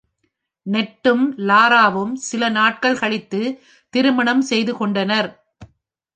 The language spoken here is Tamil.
நெட்டும் லாராவும் சில நாட்கள் கழித்து திருமணம் செய்துகொண்டனர்.